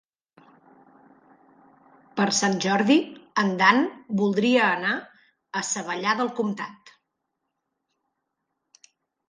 Per Sant Jordi en Dan voldria anar a Savallà del Comtat.